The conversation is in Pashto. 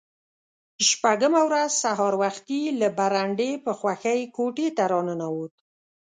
شپږمه ورځ سهار وختي له برنډې په خوښۍ کوټې ته را ننوت.